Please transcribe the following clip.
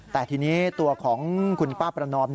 แต่ทีนี้ตัวของคุณป้าประนอม